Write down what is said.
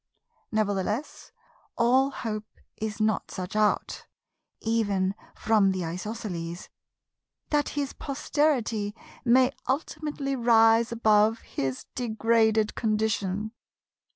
Nevertheless, all hope is not such out, even from the Isosceles, that his posterity may ultimately rise above his degraded condition.